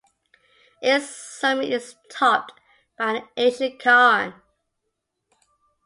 Its summit is topped by an ancient cairn.